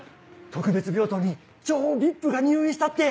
特別病棟に超ＶＩＰが入院したって！